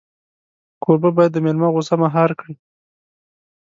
کوربه باید د مېلمه غوسه مهار کړي.